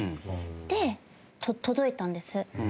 で届いたんです。